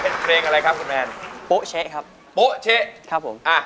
เป็นเพลงอะไรครับคุณแมนโป๊เช๊ะครับโป๊ะเช๊ะครับผมอ่ะ